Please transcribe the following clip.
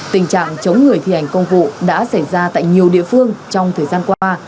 tình trạng chống người thi hành công vụ đã xảy ra tại nhiều địa phương trong thời gian qua